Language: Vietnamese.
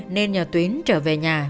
nên nhờ tuyến trở về nhà